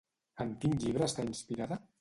En quin llibre està inspirada?